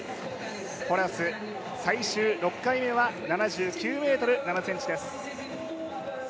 ホラス、最終６回目は７９ｍ７ｃｍです。